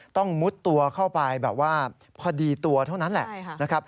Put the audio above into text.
ต้องมุดตัวเข้าไปแบบว่าพอดีตัวเท่านั้นแหละ